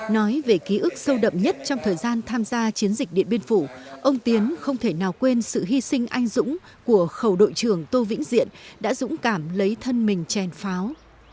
nói về ký ức sâu đậm nhất trong thời gian tham gia chiến dịch điện biên phủ ông tiến không thể nào quên sự hy sinh anh dũng của khẩu đội trưởng tô vĩnh diện đã dũng cảm lấy thân mình chèn pháo